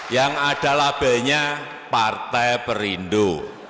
yang ada labelnya partai perindo